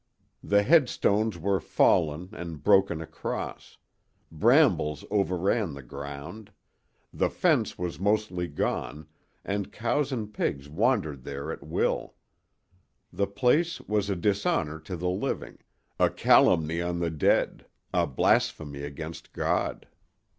The headstones were fallen and broken across; brambles overran the ground; the fence was mostly gone, and cows and pigs wandered there at will; the place was a dishonor to the living, a calumny on the dead, a blasphemy against God.